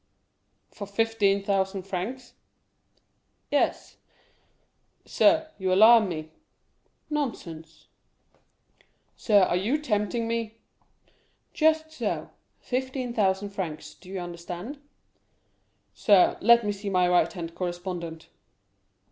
"For fifteen thousand francs?" "Yes." "Sir, you alarm me." "Nonsense." "Sir, you are tempting me?" "Just so; fifteen thousand francs, do you understand?" "Sir, let me see my right hand correspondent."